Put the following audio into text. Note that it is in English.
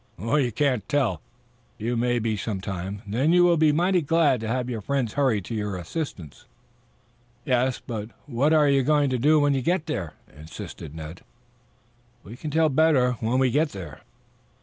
"You can't tell. You may be some time; then you will be mighty glad to have your friends hurry to your assistance." "Yes, but what are you going to do when you get there?" insisted Ned. "We can tell better when we get there."